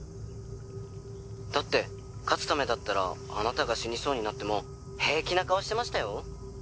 「だって勝つためだったらあなたが死にそうになっても平気な顔してましたよ」